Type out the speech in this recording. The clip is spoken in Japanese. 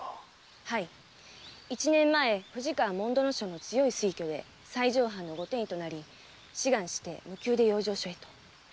はい一年前藤川主水正の強い推挙で西条藩のご典医となり志願して無給で養生所へと。